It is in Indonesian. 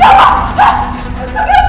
ya pak makasih ya pak